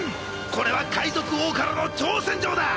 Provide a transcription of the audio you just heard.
これは海賊王からの挑戦状だ！